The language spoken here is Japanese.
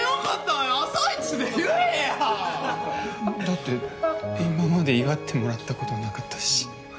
だって今まで祝ってもらったことなかったし。